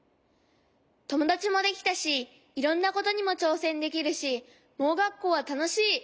ともだちもできたしいろんなことにもちょうせんできるし盲学校はたのしい！